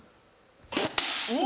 お！